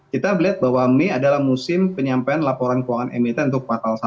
kita melihat bahwa mei adalah musim penyampaian laporan keuangan emiten untuk kuartal satu